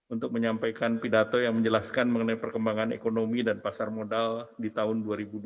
untuk menyampaikan pidato yang menjelaskan mengenai perkembangan ekonomi dan pasar modal di tahun dua ribu dua puluh